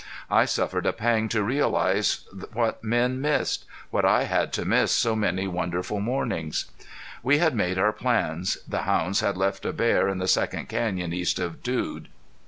I suffered a pang to realize what men missed what I had to miss so many wonderful mornings. We had made our plan. The hounds had left a bear in the second canyon east of Dude.